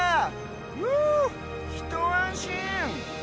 ふぅひとあんしん！